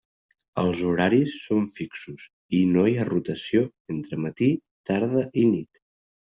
Els horaris són fixos i no hi ha rotació entre matí, tarda i nit.